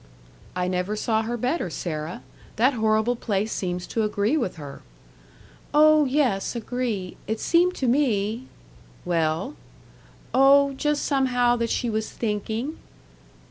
"I never saw her better, Sarah. That horrible place seems to agree with her." "Oh, yes, agree. It seemed to me " "Well?" "Oh, just somehow that she was thinking."